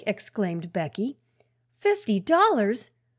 exclaimed Becky. "Fifty dollars!